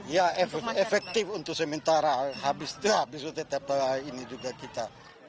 ya efektif untuk sementara habis itu tetap ini juga kita